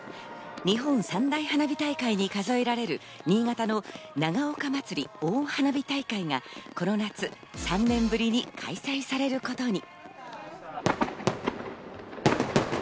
日本三大花火大会に数えられる、新潟の長岡まつり大花火大会が、この夏３年ぶりに開催されることに。